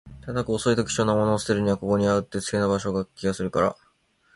ただ、こっそりと貴重なものを捨てるには、ここはうってつけな場所な気がするから